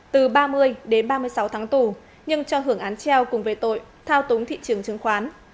từ ba mươi đến ba mươi sáu tháng tù nhưng cho hưởng án treo cùng về tội thao túng thị trường chứng khoán